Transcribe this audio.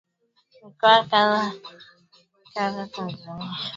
Mikoa kadha wa kdha Tanzania hulima Viazi lishe TAnzania